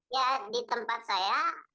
ya di tempat saya